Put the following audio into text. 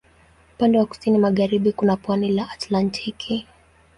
Upande wa kusini magharibi kuna pwani la Atlantiki.